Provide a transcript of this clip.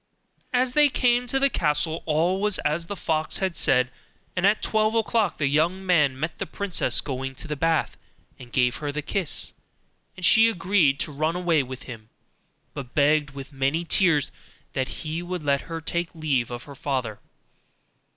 As they came to the castle, all was as the fox had said, and at twelve o'clock the young man met the princess going to the bath and gave her the kiss, and she agreed to run away with him, but begged with many tears that he would let her take leave of her father.